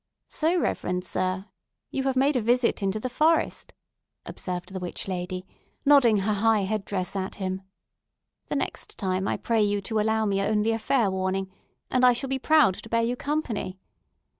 "So, reverend sir, you have made a visit into the forest," observed the witch lady, nodding her high head dress at him. "The next time I pray you to allow me only a fair warning, and I shall be proud to bear you company.